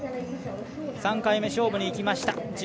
３回目勝負にいきました。